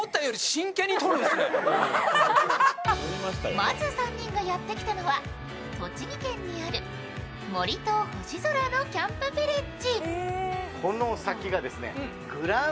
まず３人がやってきたのは栃木県にある森と星空のヴィレッジ。